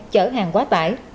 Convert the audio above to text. chở hàng quá tải